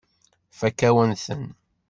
Tfakk-awen-ten.